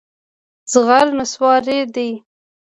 زغر نصواري دي.